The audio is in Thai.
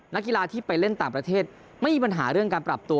นักกีฬาที่ไปเล่นต่างประเทศไม่มีปัญหาเรื่องการปรับตัว